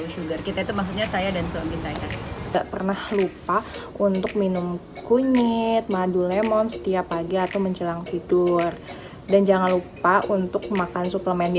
sebelum makan gak apa apa